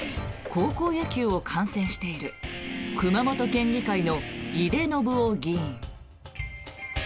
高校野球を観戦している熊本県議会の井手順雄議員。